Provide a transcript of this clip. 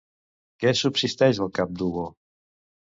Què subsisteix al cap d'Hugo?